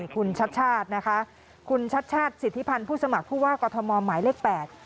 คุณชัดชาตินะคะคุณชัดชาติสิทธิพันธ์ผู้สมัครผู้ว่ากอทมหมายเลขแปด